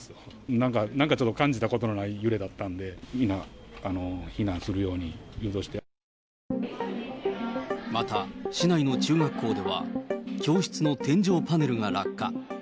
なんか、なんかちょっと感じたことのない揺れだったんで、みんな、また、市内の中学校では、教室の天井パネルが落下。